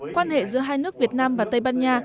quan hệ giữa hai nước việt nam và tây ban nha